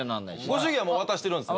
ご祝儀はもう渡してるんですよ。